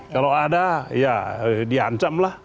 kalau ada ya di ancamlah